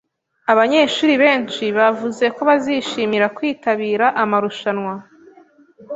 Abanyeshuri benshi bavuze ko bazishimira kwitabira amarushanwa